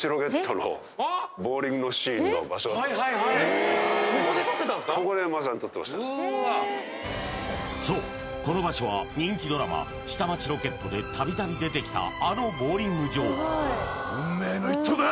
はいはいはいそうこの場所は人気ドラマ「下町ロケット」でたびたび出てきたあのボウリング場運命の一投だ！